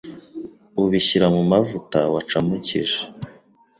ubishyira mu mavuta wacamukije